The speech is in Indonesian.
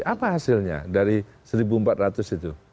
apa hasilnya dari satu empat ratus itu